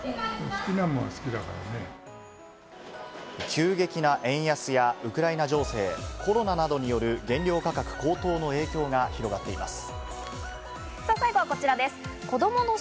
急激な円安やウクライナ情勢、コロナなどによる原料価格高騰の影響が広がっています。